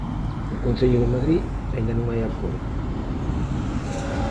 No Concello de Madrid, aínda non hai acordo.